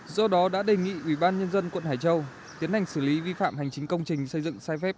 do đó đã đề nghị ubnd quận hải châu tiến hành xử lý vi phạm hành chính công trình xây dựng sai phép